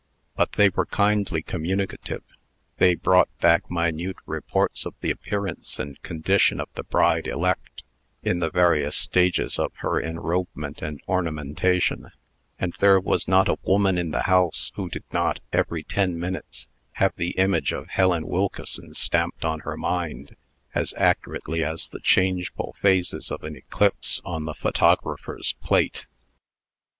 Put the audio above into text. But they were kindly communicative. They brought back minute reports of the appearance and condition of the bride elect, in the various stages of her enrobement and ornamentation; and there was not a woman in the house who did not, every ten minutes, have the image of Helen Wilkeson stamped on her mind as accurately as the changeful phases of an eclipse on the photographer's plate.